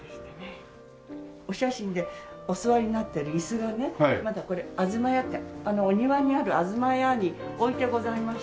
お写真でお座りになっている椅子がねまだこれ東屋ってお庭にある東屋に置いてございましてね。